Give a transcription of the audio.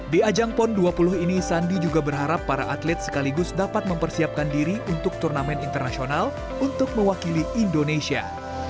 di ajang pon dua puluh ini sandi juga berharap para atlet sekaligus dapat mempersiapkan diri untuk turnamen internasional untuk mewakili indonesia